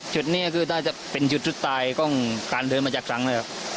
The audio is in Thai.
ชุดนี้คือถ้าจะเป็นชุดชุดตายก็ต้องการเทินมาจากทั้งเลยครับ